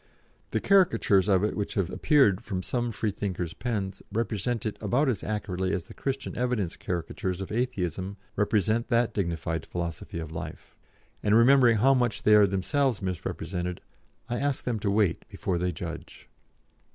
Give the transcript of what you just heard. The caricatures of it which have appeared from some Freethinkers' pens represent it about as accurately as the Christian Evidence caricatures of Atheism represent that dignified philosophy of life; and, remembering how much they are themselves misrepresented, I ask them to wait before they judge."